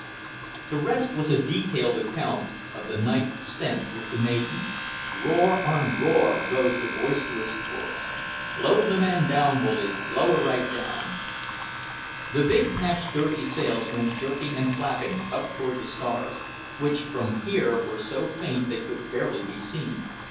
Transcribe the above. The rest was a detailed account of the night spent with the maiden. Roar on roar rose the boisterous chorus: "Blow the man down, bullies, blow him right down!" The big patched, dirty sails went jerking and flapping up toward the stars, which from here were so faint they could barely be seen.